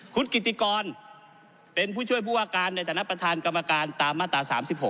คุณกิติกรเป็นผู้ช่วยผู้ว่าการในฐานะประธานกรรมการตามมาตรา๓๖